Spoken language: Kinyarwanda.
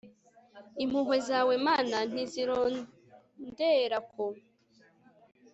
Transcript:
Impuhwe zawe mana ntizironderako